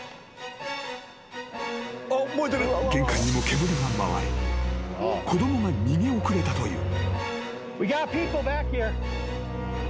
［玄関にも煙が回り子供が逃げ遅れたという］